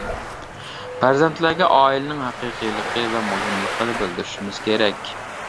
پەرزەنتلەرگە ئائىلىنىڭ ھەقىقىيلىقى ۋە مۇھىملىقىنى بىلدۈرۈشىمىز كېرەك.